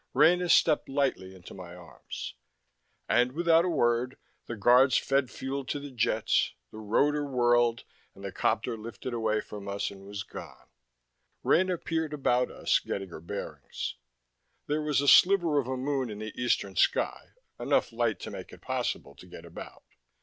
Rena stepped lightly into my arms. And without a word, the Guards fed fuel to the jets, the rotor whirled, and the copter lifted away from us and was gone. Rena peered about us, getting her bearings. There was a sliver of a moon in the eastern sky, enough light to make it possible to get about.